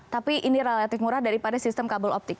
tapi ini relatif murah daripada sistem kabel optik